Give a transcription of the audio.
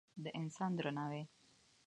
د انسان درناوی